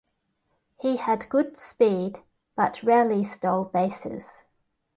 He had good speed, but rarely stole bases.